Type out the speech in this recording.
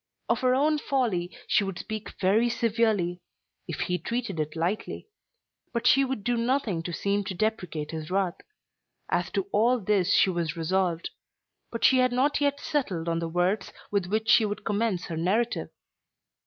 Of her own folly, she would speak very severely, if he treated it lightly. But she would do nothing to seem to deprecate his wrath. As to all this she was resolved. But she had not yet settled on the words with which she would commence her narrative.